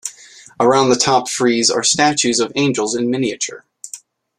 Around the top frieze are statues of angels in miniature.